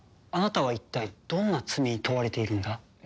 あなたは一体どんな罪に問われているんだ？